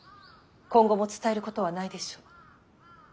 今後も伝えることはないでしょう。